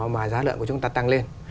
mà giá lợn của chúng ta tăng lên